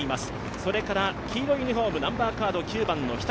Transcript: それから黄色いユニフォームナンバーカード９番の日立。